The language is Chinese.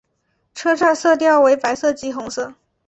车站色调为白色及红色。